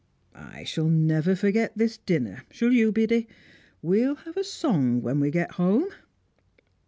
I shall never forget this dinner; shall you, Biddy? We'll have a song when we get home."